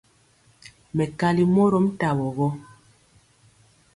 Mɛkali mɔrom tawo gɔ.